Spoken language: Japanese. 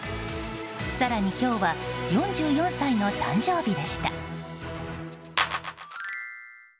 更に今日は４４歳の誕生日でした。